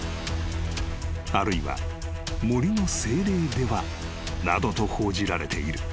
［あるいは森の精霊ではなどと報じられている］